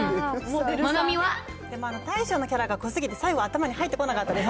大将のキャラが濃すぎて、最後頭に入ってこなかったです。